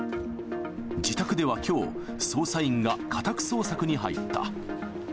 自宅ではきょう、捜査員が家宅捜索に入った。